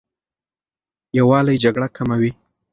یووالی جګړه کموي.